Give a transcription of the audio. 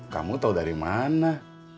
kamu tau dari mana